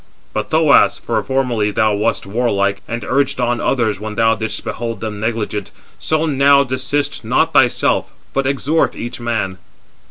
But, Thoas—for formerly thou wast warlike, and urged on others when thou didst behold them negligent—so now desist not thyself, but exhort each man."